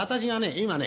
今ね